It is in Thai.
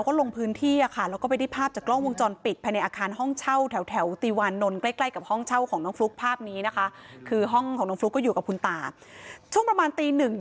คุณผู้ชมค่ะทีมข่าวของเราก็ลงพื้นที่